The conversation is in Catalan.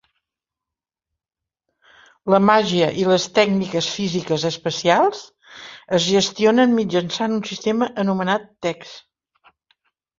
La màgia i les tècniques físiques especials es gestionen mitjançant un sistema anomenat Techs.